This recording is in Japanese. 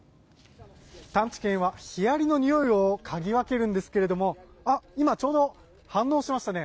探知犬はヒアリのにおいをかぎ分けるんですけども今ちょうど反応しましたね。